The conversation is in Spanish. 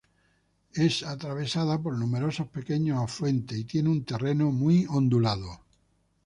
Es atravesada por numerosos pequeños afluentes, y tiene un terreno muy ondulado.